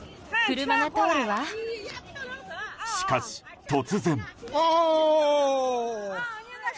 しかし、突然。